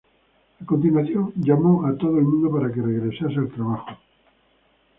A continuación, llamó a todo el mundo para que regresase al trabajo.